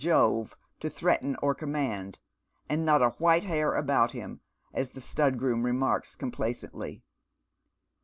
Jove to threaten or command, and not a white hair about him, as the ■«tud groom remarks complacently.